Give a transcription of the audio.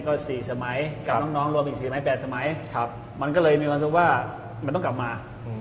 ก็๔สมัยกับน้องรวมอีก๔๐๘สมัยมันก็เลยมีความรู้สึกว่ามันต้องกลับมา